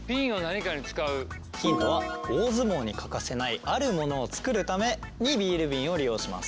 ヒントは大相撲に欠かせないあるものを作るためにビール瓶を利用します。